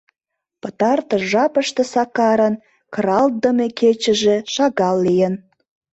Пытартыш жапыште Сакарын кыралтдыме кечыже шагал лийын...